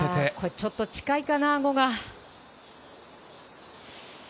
ちょっと近いかな、あごが。